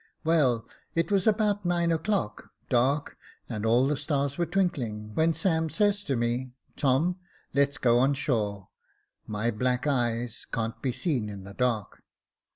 Well, it was about nine o'clock, dark, and all the stars were twinkling, when Sam says to me, * Tom, let's go on shore ; my black eyes can't be seen in the dark.'